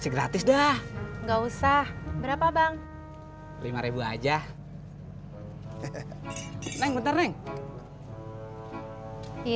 gratis dah enggak usah berapa bang lima ribu aja neng neng iya bang kita kan belum kenalan ah iya